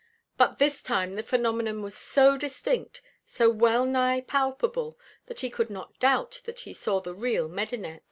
But this time the phenomenon was so distinct, so well nigh palpable that he could not doubt that he saw the real Medinet.